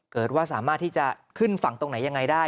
ว่าสามารถที่จะขึ้นฝั่งตรงไหนยังไงได้